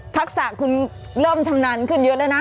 ทักษะคุณเริ่มชำนาญขึ้นเยอะแล้วนะ